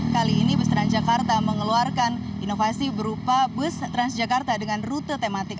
kali ini bus transjakarta mengeluarkan inovasi berupa bus transjakarta dengan rute tematik